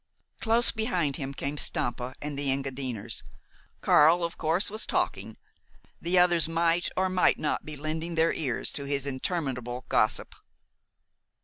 Close behind him came Stampa and the Engadiners. Karl, of course, was talking the others might or might not be lending their ears to his interminable gossip.